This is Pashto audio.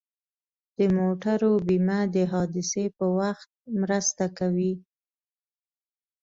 د موټرو بیمه د حادثې په وخت مرسته کوي.